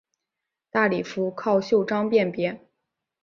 大礼服靠袖章辨别。